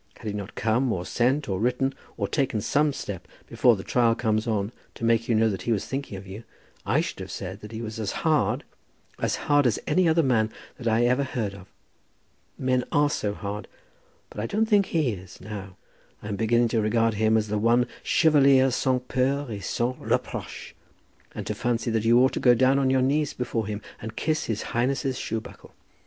Had he not come, or sent, or written, or taken some step before the trial comes on, to make you know that he was thinking of you, I should have said that he was as hard, as hard as any other man that I ever heard of. Men are so hard! But I don't think he is, now. I am beginning to regard him as the one chevalier sans peur et sans reproche, and to fancy that you ought to go down on your knees before him, and kiss his highness's shoebuckle.